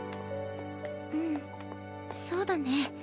うんそうだね。